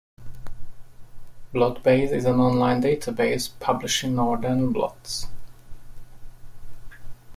BlotBase is an online database publishing northern blots.